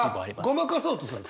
ごまかそうとするの？